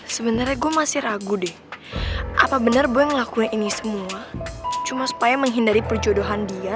sebenarnya gue masih ragu deh apa benar gue ngelakuin ini semua cuma supaya menghindari perjodohan dia